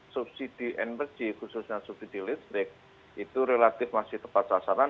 subsidi energi khususnya subsidi listrik itu relatif masih tepat sasaran